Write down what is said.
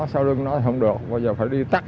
sau lưng nó thì không được bây giờ phải đi tắc